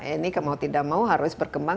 ini mau tidak mau harus berkembang